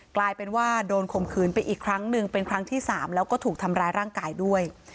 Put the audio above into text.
กลายเป็นว่าโดนข่มขืนไปอีกครั้งหนึ่งเป็นครั้งที่๓แล้วก็ถูกทำร้ายร่างกายด้วย